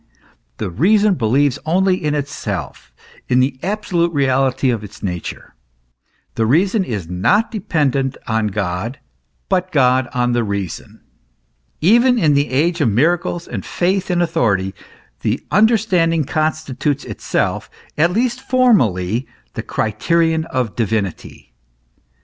the reason believes only in itself, in the absolute reality of its own nature. The reason is not dependent on God, but God on the reason. Even in the age of miracles and faith in authority, the understanding constitutes itself, at least formally, the criterion of divinity.